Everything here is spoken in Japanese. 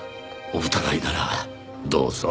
お疑いならどうぞ。